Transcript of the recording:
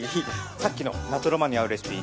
さっきの夏浪漫に合うレシピ